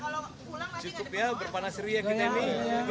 kalau pulang pasti tidak ada barikade